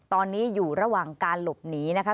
ตอนนี้อยู่ระหว่างการหลบหนีนะคะ